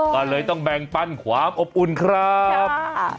ก็เลยต้องแบ่งปั้นความอบอุ่นครับ